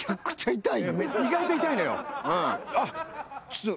意外と痛いのよ。